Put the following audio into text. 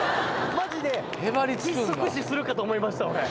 マジで窒息死するかと思いました俺。